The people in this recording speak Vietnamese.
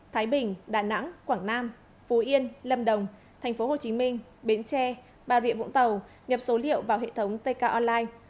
thái bình đà nẵng quảng nam phú yên lâm đồng thành phố hồ chí minh bến tre bà rịa vũng tàu nhập số liệu vào hệ thống tk online